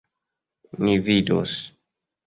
Ni vidos.